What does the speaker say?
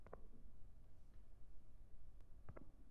ভেবেছিলাম এতদিনে এতে অভ্যস্ত হয়ে গেছো।